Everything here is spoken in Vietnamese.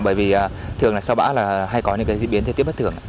bởi vì thường sau bão hay có những diễn biến thiết tiết bất thường